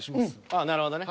ああなるほどね。